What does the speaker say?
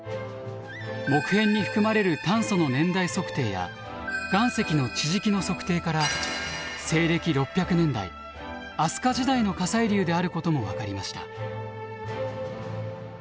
木片に含まれる炭素の年代測定や岩石の地磁気の測定から西暦６００年代飛鳥時代の火砕流であることも分かりました。